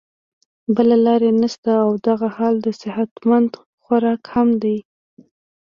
بله لار ئې نشته او دغه حال د صحت مند خوراک هم دے